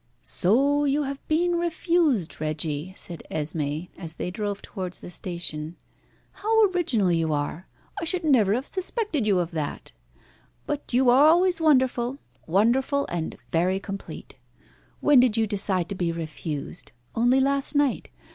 "So you have been refused, Reggie," said Esmé, as they drove towards the station. "How original you are! I should never have suspected you of that. But you were always wonderful wonderful and very complete. When did you decide to be refused? Only last night.